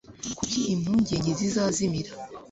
kuko impungenge zizazimira